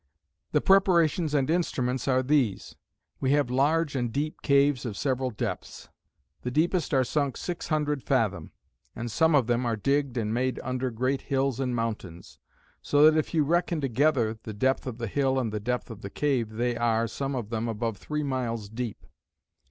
"The Preparations and Instruments are these. We have large and deep caves of several depths: the deepest are sunk six hundred fathom: and some of them are digged and made under great hills and mountains: so that if you reckon together the depth of the hill and the depth of the cave, they are (some of them) above three miles deep.